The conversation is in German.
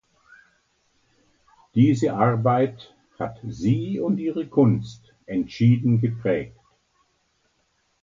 Diese Arbeit hat sie und ihre Kunst entschieden geprägt.